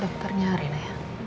dokternya reina ya